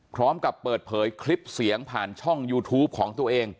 พร้อมกับเปิดเผยคลิปเสียงผ่านช่องยูทูปของตัวเอง